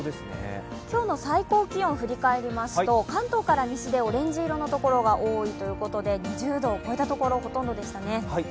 今日の最高気温、振り返りますと、関東から西でオレンジ色の所が多いということで２０度を超えたところほとんどでしたね。